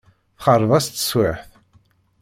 Texreb-as teswiɛt.